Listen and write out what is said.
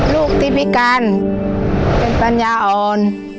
ลูกที่พิการเป็นปัญญาอ่อน